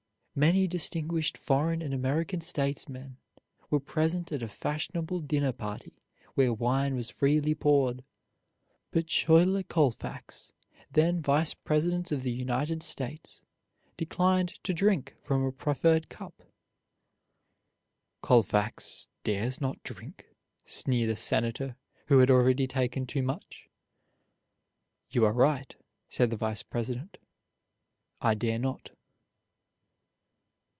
Many distinguished foreign and American statesmen were present at a fashionable dinner party where wine was freely poured, but Schuyler Colfax, then vice president of the United States, declined to drink from a proffered cup. "Colfax dares not drink," sneered a Senator who had already taken too much. "You are right," said the Vice President, "I dare not."